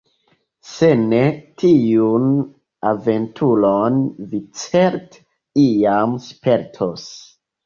Se ne, tiun aventuron vi certe iam spertos.